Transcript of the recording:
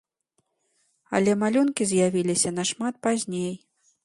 Але малюнкі з'явіліся нашмат пазней.